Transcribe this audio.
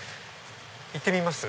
行ってみます？